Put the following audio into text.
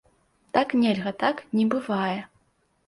Так нельга, так не бывае.